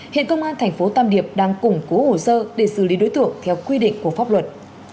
hiện công an thành phố tam điệp đang củng cố hồ sơ để xử lý đối tượng theo quy định của pháp luật